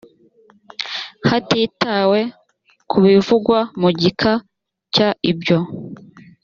hatitawe ku bivugwa mu gika cya ibyo